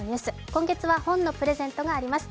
今月は本のプレゼントがあります。